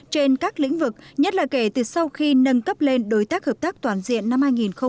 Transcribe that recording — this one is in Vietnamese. trên các lĩnh vực nhất là kể từ sau khi nâng cấp lên đối tác hợp tác toàn diện năm hai nghìn một mươi